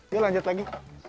yuk lanjut lagi